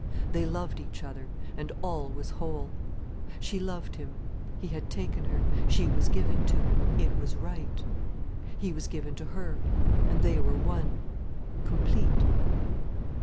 They loved each other, and all was whole. She loved him, he had taken her, she was given to him. It was right. He was given to her, and they were one, complete.